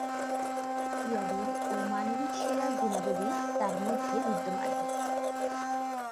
ক্রীড়াবিদ ও মানবিক সেরা গুণাবলী তার মাঝে বিদ্যমান।